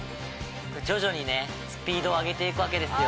徐々にねスピードを上げていくわけですよ。